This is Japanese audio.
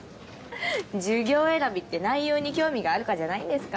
授業選びって内容に興味があるかじゃないんですか？